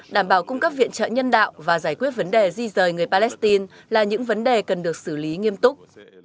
đảm bảo cung cấp viện trợ nhân đạo và giải quyết vấn đề di rời người palestine là những vấn đề cần được xử lý nghiêm túc